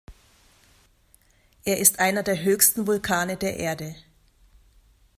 Er ist einer der höchsten Vulkane der Erde.